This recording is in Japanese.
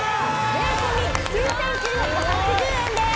税込９９８０円です